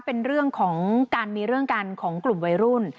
เป็นเรื่องของการมีเรื่องกันของกลุ่มวัยรุ่น